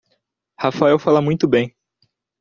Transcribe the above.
Rafael fala muito bem.